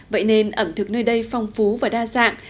vậy nên ẩm thực nơi đây phong phú và đa dạng